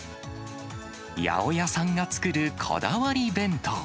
八百屋さんが作るこだわり弁当。